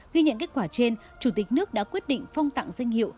ghi nhận kết quả trên chủ tịch nước đã quyết định phong tặng danh hiệu